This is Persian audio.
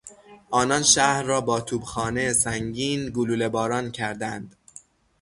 آنها شهر را با توپخانه سنگین گلوله باران کردند.